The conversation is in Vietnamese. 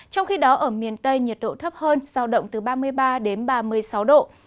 trong khi đó ở miền tây nhiệt độ thấp hơn giao động từ ba mươi ba đến ba mươi sáu độ